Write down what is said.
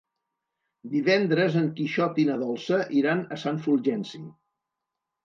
Divendres en Quixot i na Dolça iran a Sant Fulgenci.